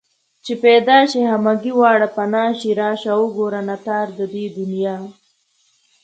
چې پيدا شي همگي واړه پنا شي راشه وگوره ناتار د دې دنيا